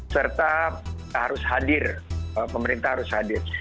serta harus hadir pemerintah harus hadir